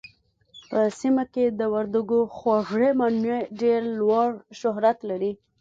په سيمه کې د وردګو خوږې مڼې ډېر لوړ شهرت لري